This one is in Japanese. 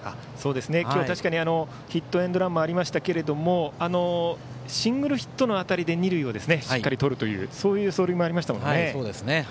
今日確かにヒットエンドランもありましたがシングルヒットの当たりで二塁をしっかりとるという走塁もありましたもんね。